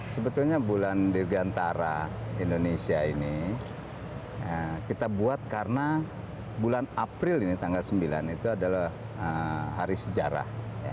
sebetulnya bulan dirgantara indonesia ini kita buat karena bulan april ini tanggal sembilan itu adalah hari sejarah